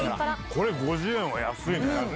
これ、５０円は安いね。